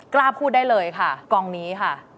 กล้าพูดได้เลยค่ะกองนี้ค่ะ